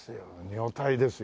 女体ですよ。